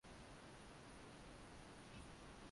Eneo la usafi ni jambo alililopigania kwa muda mrefu